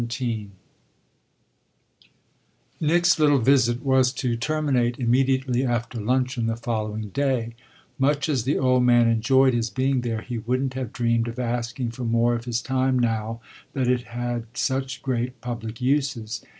XVII Nick's little visit was to terminate immediately after luncheon the following day: much as the old man enjoyed his being there he wouldn't have dreamed of asking for more of his time now that it had such great public uses.